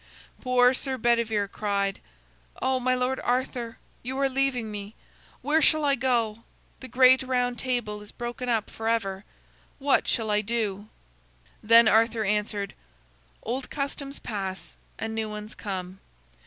Poor Sir Bedivere cried: "Oh, my Lord Arthur, you are leaving me. Where shall I go? The great Round Table is broken up forever. What shall I do?" Then Arthur answered: "Old customs pass and new ones come.